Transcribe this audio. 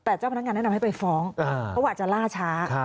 แต่เจ้าพนักงานแนะนำให้ไปฟ้องเพราะว่าอาจจะล่าช้า